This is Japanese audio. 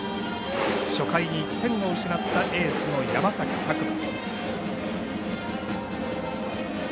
初回に１点を失ったエースの山崎琢磨。